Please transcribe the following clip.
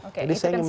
oke itu concernnya ya